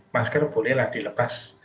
masker bolehlah dilepas